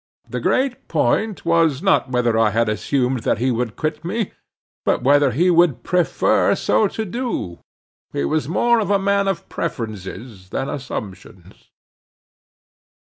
The great point was, not whether I had assumed that he would quit me, but whether he would prefer so to do. He was more a man of preferences than assumptions.